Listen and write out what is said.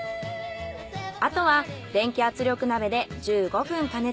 あとは電気圧力鍋で１５分加熱。